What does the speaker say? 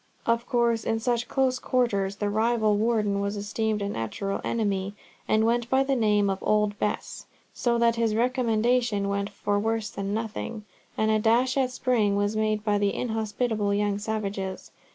Of course, in such close quarters, the rival Warden was esteemed a natural enemy, and went by the name of "Old Bess," so that his recommendation went for worse than nothing, and a dash at Spring was made by the inhospitable young savages.